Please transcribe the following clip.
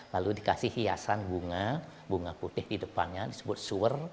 lalu dikasih hiasan bunga bunga putih di depannya disebut sur